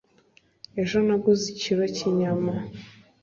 Ejo naguze ikiro cyinyama.